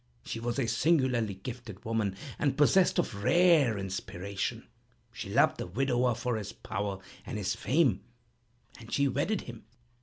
She was a singularly gifted woman, and possessed of rare inspiration. She loved the widower for his power and his fame, and she wedded him.